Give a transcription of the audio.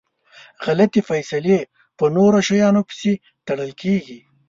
غلطي فیصلی په نورو شیانو پسي تړل کیږي.